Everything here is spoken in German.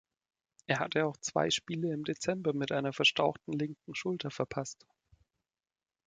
Er hatte auch zwei Spiele im Dezember mit einer verstauchten linken Schulter verpasst.